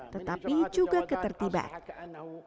tetapi juga ketertiban